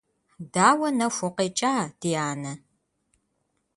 Дауэ нэху укъекӀа, ди анэ?